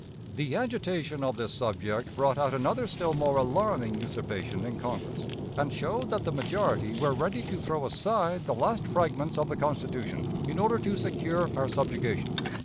The agitation of this subject brought out another still more alarming usurpation in Congress, and showed that the majority were ready to throw aside the last fragments of the Constitution in order to secure our subjugation.